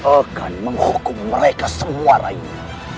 akan menghukum mereka semua rayu